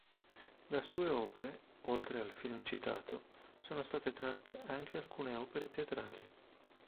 Da sue opere, oltre al film citato, sono state tratte anche alcune opere teatrali.